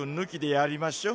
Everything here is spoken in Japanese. やりましょう。